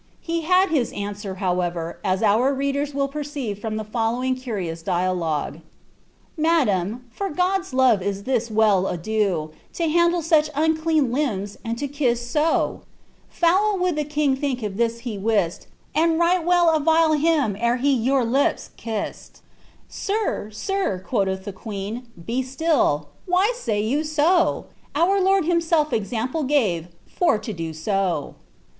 He had lias answer, however, as our readers will perceive from the follow ing curious dialogue >■ Madam, ibr Ciodde*8 love is this well ado To handle such unclean limbs, and to kiss so 1 Foul woald the king think if this thing he wist, And right well arile him ere he your li]>s kisL* * Sir, sir I* quoth the queen, *■ be still. Why saj you to? Our Lord himself example gave for to do so.'